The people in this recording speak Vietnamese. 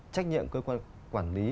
trách nhiệm cơ quan quản lý